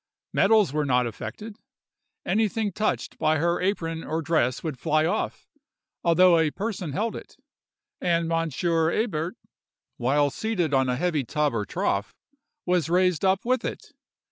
Metals were not affected. Anything touched by her apron or dress would fly off, although a person held it; and Monsieur Hebert, while seated on a heavy tub or trough, was raised up with it.